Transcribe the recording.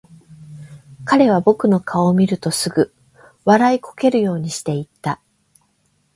彼は僕の顔を見るとすぐ、笑いこけるようにして言った。